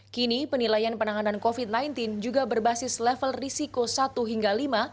kini penilaian penanganan covid sembilan belas juga berbasis level risiko satu hingga lima